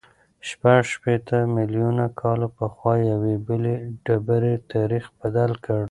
شپږ شپېته میلیونه کاله پخوا یوې بلې ډبرې تاریخ بدل کړ.